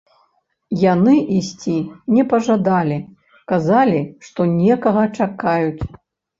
Яны ісці не пажадалі, казалі, што некага чакаюць!